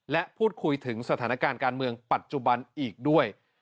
และพูดคุยถึงสถานการณ์การเมืองปัจจุบันอีกด้วย